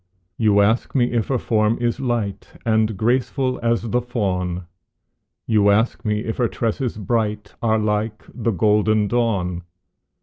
You ask me if her form is light And graceful as the fawn; You ask me if her tresses bright Are like the golden dawn?